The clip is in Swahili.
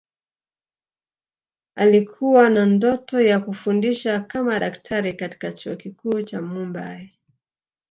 Alikuwa na ndoto ya kufundisha kama daktari katika Chuo Kikuu cha Mumbay